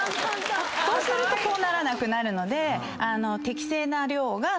そうするとこうならなくなるので。